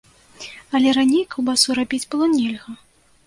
Але раней каўбасу рабіць было нельга.